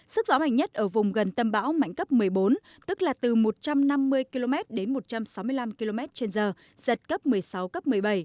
sức gió mạnh nhất ở vùng gần tâm bão mạnh cấp một mươi bốn tức là từ một trăm năm mươi km đến một trăm sáu mươi năm km trên giờ giật cấp một mươi sáu cấp một mươi bảy